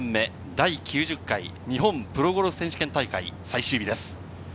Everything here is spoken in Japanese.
第９０回日本プロゴルフ選手権大会最終日です。